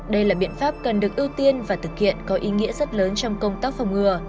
đây là biện pháp cần được ưu tiên và thực hiện có ý nghĩa rất lớn trong công tác phòng ngừa